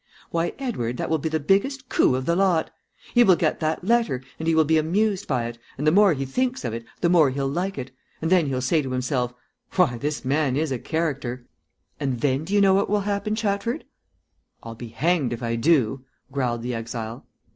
"Why, Edward, that will be the biggest coup of the lot. He will get that letter, and he will be amused by it, and the more he thinks of it the more he'll like it, and then he'll say to himself, 'why, this man is a character;' and then do you know what will happen, Chatford?" "I'll be hanged if I do," growled the exile.